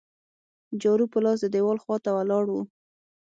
جارو په لاس د دیوال خوا ته ولاړ وو.